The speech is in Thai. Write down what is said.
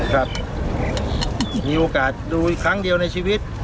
ครับมีโอกาสดูอีกครั้งเดียวในชีวิต